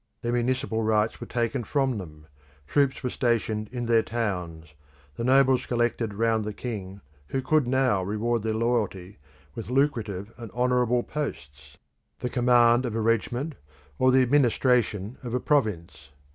Their municipal rights were taken from them; troops were stationed in their towns; the nobles collected round the king, who could now reward their loyalty with lucrative and honourable posts, the command of a regiment, or the administration of a province.